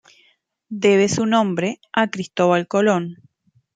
Debe su nombre a Cristóbal Colón.